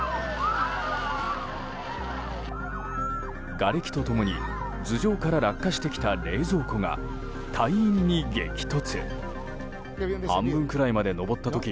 がれきと共に頭上から落下してきた冷蔵庫が隊員に激突。